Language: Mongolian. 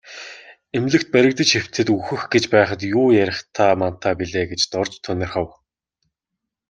Эмнэлэгт баригдаж хэвтээд үхэх гэж байхад юу ярихтай мантай билээ гэж Дорж тунирхав.